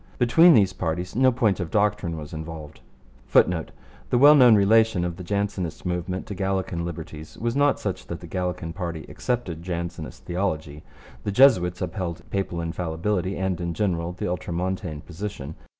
Between these parties no point of doctrine was involved, [Footnote: The well known relation of the Jansenist movement to Gallican liberties was not such that the Gallican party accepted Jansenist theology. The Jesuits upheld papal infallibility and, in general, the Ultramontane position.